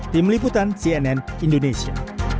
tim liputan cnn indonesia